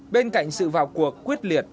bên cạnh sự vào cuộc quyết liệt